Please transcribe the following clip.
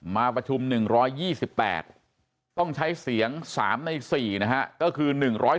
มาประชุม๑๒๘ต้องใช้เสียง๓ใน๔นะฮะก็คือ๑๔